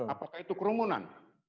apakah itu kerumunan